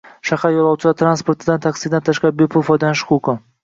Shahar yo‘lovchilar transportidan, taksidan tashqari bepul foydalanish huquqi